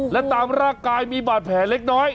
และตามร่างกายมีบาดแผลเล็กน้อย